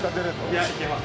いや行けます。